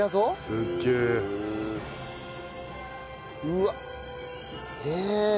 うわっへえ！